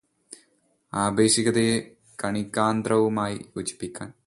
ആപേക്ഷികതയെ കണികാതന്ത്രവുമായി യോജിപ്പിക്കാന്